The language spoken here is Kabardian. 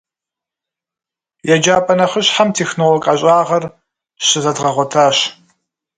Еджапӏэ нэхъыщхьэм «технолог» ӏэщӏагъэр щызэдгъэгъуэтащ.